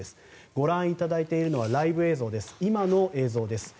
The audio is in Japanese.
ご覧いただいているのはライブ映像、今の映像です。